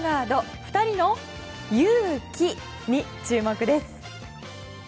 ２人のユウキに注目です。